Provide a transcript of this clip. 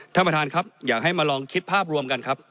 ท่านประธานครับอยากให้มาลองคิดภาพรวมกันครับ